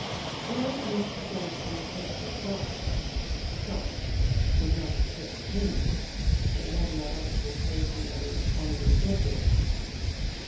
Though old Mr. Johnson kept a shop, the shop would not have kept him if he had not acted occasionally on the aggressive.